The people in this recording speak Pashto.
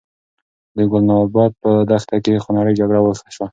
د ګلناباد په دښته کې خونړۍ جګړه وشوه.